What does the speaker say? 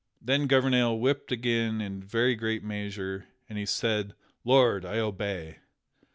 Then Gouvernail wept again in very great measure, and he said, "Lord, I obey."